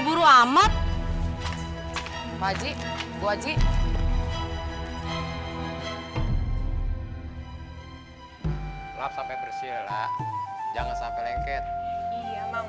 butuh apa ya bang